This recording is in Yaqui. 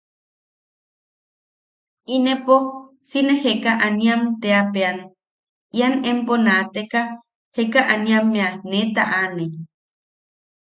Inepo si nee Jekaaniam teapean; ian empo naateka jekaaniammea ne taʼane.